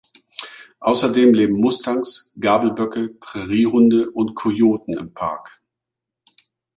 Außerdem leben Mustangs, Gabelböcke, Präriehunde und Kojoten im Park.